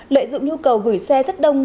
lợi dụng nhu cầu gửi xe rất đông